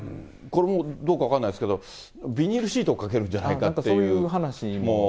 それから、これもどうか分からないですけれども、ビニールシートをかけるんじゃないかという話も。